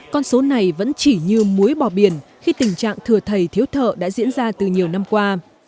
con số này vẫn chỉ như muối bò biển khi tình trạng thừa thầy thiếu thợ đã diễn ra từ nhiều năm qua